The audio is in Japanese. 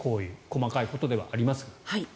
細かいことではありますが。